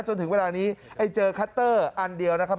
จนถึงเวลานี้ไอ้เจอคัตเตอร์อันเดียวนะครับ